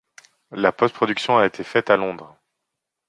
La post-production a été faite à Londres.